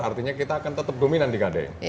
artinya kita akan tetap dominan di gade